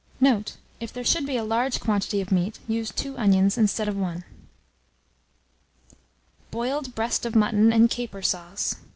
Note. If there should be a large quantity of meat, use 2 onions instead of 1. BOILED BREAST OF MUTTON AND CAPER SAUCE.